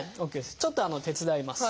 ちょっと手伝います。